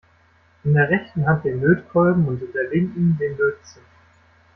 In der rechten Hand den Lötkolben und in der linken den Lötzinn.